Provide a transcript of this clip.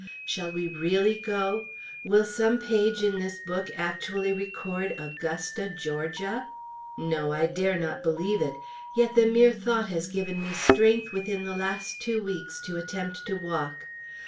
Shall we really go? Will some page in this book actually record "Augusta, Georgia"? No! I dare not believe it! Yet the mere thought has given me strength within the last two weeks to attempt to walk.